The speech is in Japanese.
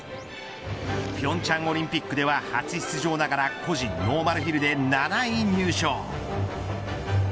平昌オリンピックでは初出場ながら個人ノーマルヒルで７位入賞。